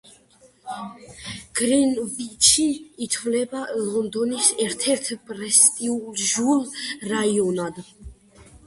გრინვიჩი ითვლება ლონდონის ერთ-ერთ პრესტიჟულ რაიონად.